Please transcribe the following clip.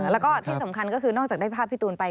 แล้วก็ที่สำคัญก็คือนอกจากได้ภาพพี่ตูนไป